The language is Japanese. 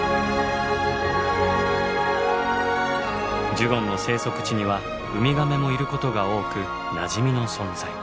ジュゴンの生息地にはウミガメもいることが多くなじみの存在。